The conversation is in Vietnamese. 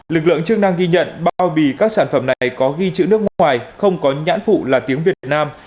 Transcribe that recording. lực lượng chức năng ghi nhận bao bì các sản phẩm này có ghi chữ nước ngoài không có nhãn phụ là tiếng việt nam